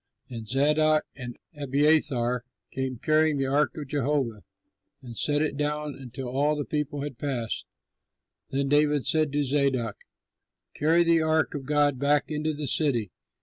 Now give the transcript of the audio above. And Zadok and Abiathar came carrying the ark of Jehovah and set it down until all the people had passed. Then David said to Zadok, "Carry the ark of God back into the city.